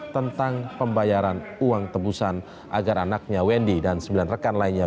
tentang pembayaran uang tebusan agar anaknya wendy dan sembilan rekan lainnya